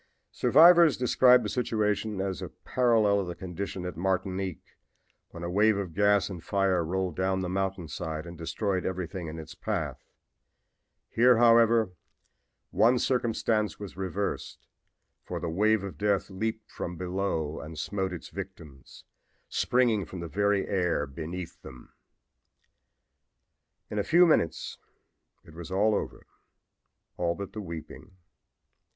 "Survivors describe the situation as a parallel of the condition at Martinique when a wave of gas and fire rolled down the mountain side and destroyed everything in its path. Here, however, one circumstance was reversed, for the wave of death leaped from below and smote its victims, springing from the very air beneath them. MANY HEROES ARE DEVELOPED. "In a few minutes it was all over all but the weeping.